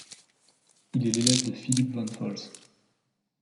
Il est l’élève de Philipp von Foltz.